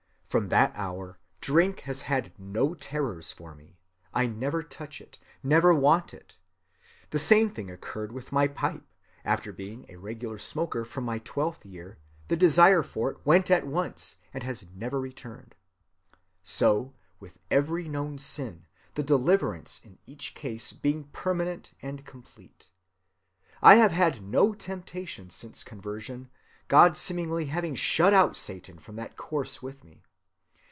From that hour drink has had no terrors for me: I never touch it, never want it. The same thing occurred with my pipe: after being a regular smoker from my twelfth year the desire for it went at once, and has never returned. So with every known sin, the deliverance in each case being permanent and complete. I have had no temptation since conversion, God seemingly having shut out Satan from that course with me.